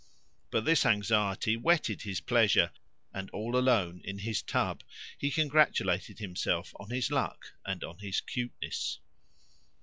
But this anxiety whetted his pleasure, and, all alone in his tub, he congratulated himself on his luck and on his cuteness.